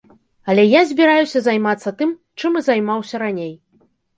Але я збіраюся займацца тым, чым і займаўся раней.